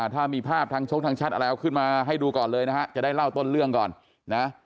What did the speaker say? ถ้ามีภาพทั้งชกทั้งชัดเอาขึ้นมาให้ดูก่อนเลยจะได้เล่าต้นเรื่องก่อน